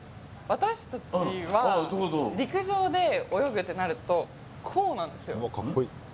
私達は陸上で泳ぐってなるとこうなんですよ